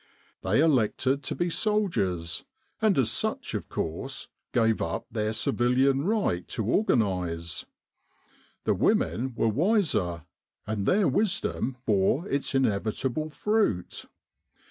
They elected to be soldiers, and as such of course, gave up their civilian right to organise. The women were wiser, and their wisdom bore its inevitable fruit.